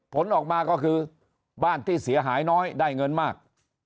ผลออกมาก็คือบ้านที่เสียหายน้อยได้เงินมาก